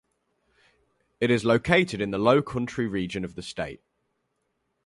It is located in the Lowcountry region of the state.